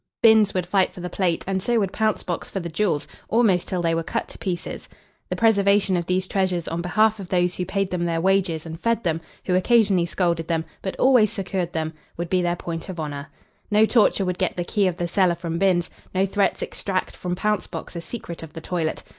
Binns would fight for the plate, and so would Pouncebox for the jewels, almost till they were cut to pieces. The preservation of these treasures on behalf of those who paid them their wages and fed them, who occasionally scolded them, but always succoured them, would be their point of honour. No torture would get the key of the cellar from Binns; no threats extract from Pouncebox a secret of the toilet.